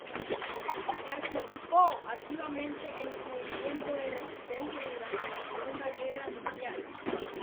Participó activamente en el movimiento de resistencia durante la segunda guerra mundial.